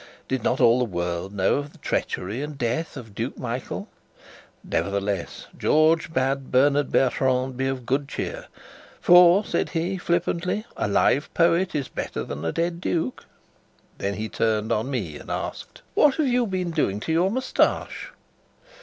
Did not all the world know of the treachery and death of Duke Michael? Nevertheless, George bade Bertram Bertrand be of good cheer, "for," said he flippantly, "a live poet is better than a dead duke." Then he turned on me and asked: "What have you been doing to your moustache?"